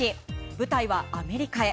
舞台はアメリカへ。